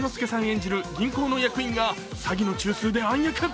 演じる銀行の役員が詐欺の中枢で暗躍。